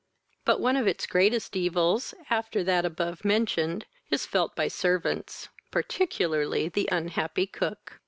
But one of its greatest evils, after that above mentioned, is felt by servants, particularly the unhappy cook.